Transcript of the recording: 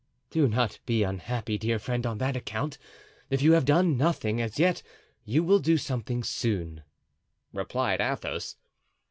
"Do not be unhappy, dear friend, on that account; if you have done nothing as yet, you will do something soon," replied Athos.